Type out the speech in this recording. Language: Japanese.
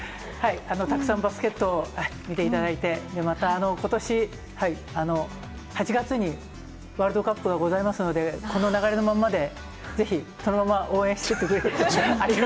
たくさんバスケットを見ていただいて、また、ことし８月にワールドカップもございますので、この流れのまんまで、ぜひそのまま、応援していってくれればありがたい。